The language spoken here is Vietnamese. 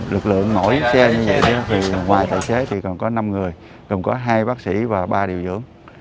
lực lượng mỗi xe như vậy thì ngoài tài xế thì còn có năm người còn có hai bác sĩ và ba điều dưỡng